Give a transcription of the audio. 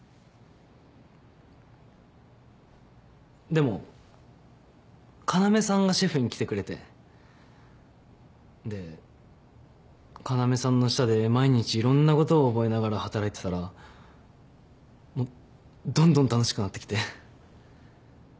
でも要さんがシェフに来てくれてで要さんの下で毎日いろんなことを覚えながら働いてたらもうどんどん楽しくなってきて。